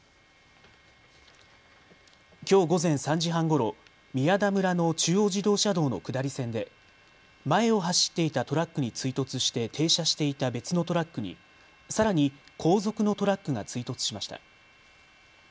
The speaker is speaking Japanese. きょう午前３時半ごろ宮田村の中央自動車道の下り線で前を走っていたトラックに追突して停車していた別のトラックにさらに後続のトラックが追突しました。